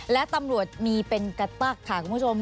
และตำรวจมีเป็นกระตั๊กค่ะคุณผู้ชม